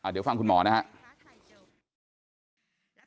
เดี๋ยวฟังคุณหมอนะครับ